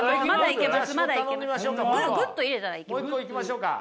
もう一個いきましょうか。